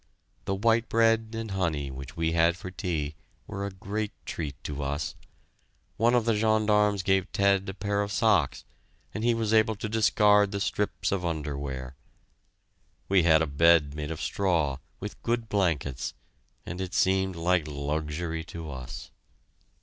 The white bread and honey which we had for tea were a great treat to us. One of the other gendarmes gave Ted a pair of socks, and he was able to discard the strips of underwear. We had a bed made of straw, with good blankets, and it seemed like luxury to us.